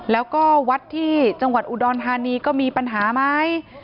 แล้วก็วัดที่จังหวัดอุดรธานีก็มีปัญหาไหม